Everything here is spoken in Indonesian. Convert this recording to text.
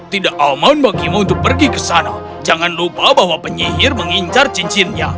tidak aman bagimu untuk pergi ke sana jangan lupa bahwa penyihir mengincar cincinnya